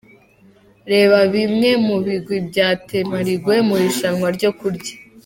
Reba bimwe mu bigwi bya Temarigwe mu irushanwa ryo kurya .